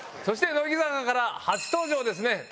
そして乃木坂から初登場ですね。